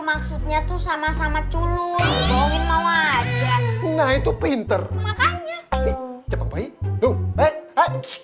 maksudnya tuh sama sama culur bohongin mau aja nah itu pinter makanya cepet baik tuh